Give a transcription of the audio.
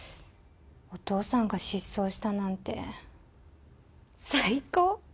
お父さんが失踪したなんて最高。